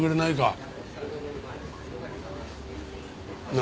何？